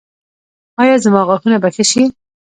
ایا زما غاښونه به ښه شي؟